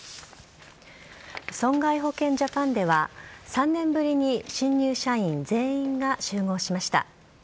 損害保険ジャパンでは３年ぶりに新入社員全員が集合しました。